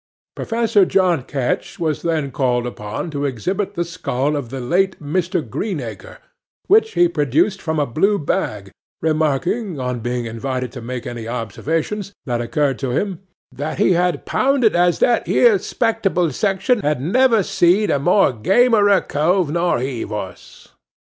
'PROFESSOR JOHN KETCH was then called upon to exhibit the skull of the late Mr. Greenacre, which he produced from a blue bag, remarking, on being invited to make any observations that occurred to him, "that he'd pound it as that 'ere 'spectable section had never seed a more gamerer cove nor he vos."